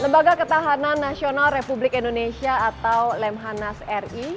lembaga ketahanan nasional republik indonesia atau lemhanas ri